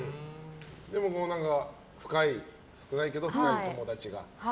でも少ないけど深い友達が。